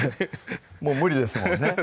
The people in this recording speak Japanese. もう無理ですもんね